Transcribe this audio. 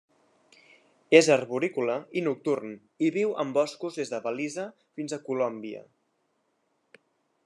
És arborícola i nocturn i viu en boscos des de Belize fins a Colòmbia.